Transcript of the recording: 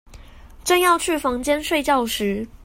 正要去房間睡覺時